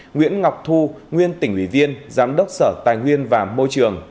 nguyễn ngọc thu nguyên tỉnh ủy viên giám đốc sở tài nguyên và môi trường